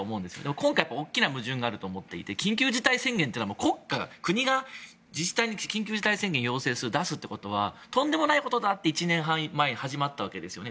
今回、大きな矛盾があると思っていて緊急事態宣言というのは国家が国が自治体に緊急事態宣言を要請する出すということはとんでもないことだって１年半前始まったわけですよね。